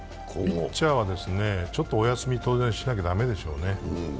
ピッチャーはお休み当然しなきゃ駄目でしょうね。